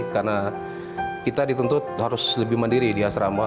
karena kita ditentu harus lebih mandiri di asrama